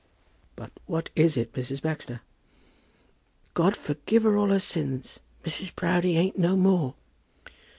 "But what is it, Mrs. Baxter?" "God forgive her all her sins Mrs. Proudie ain't no more."